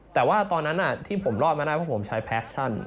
แต่ว่าตอนนั้นที่ผมรอดมาได้เพราะผมใช้แพคชั่น